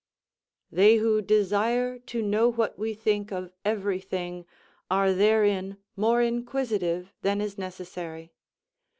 _ "They who desire to know what we think of every thing are therein more inquisitive than is necessary.